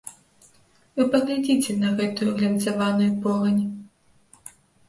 Вы паглядзіце на гэтую глянцаваную погань.